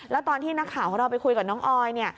แล้วตอนที่นักข่าวของเราไปคุยกับน้องออยเนี่ย